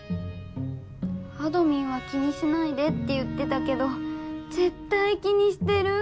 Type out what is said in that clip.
あどミンは気にしないでって言ってたけどぜったい気にしてる！